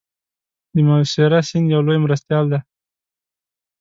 د میسوری سیند یو لوی مرستیال دی.